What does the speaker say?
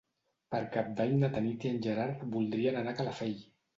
Per Cap d'Any na Tanit i en Gerard voldrien anar a Calafell.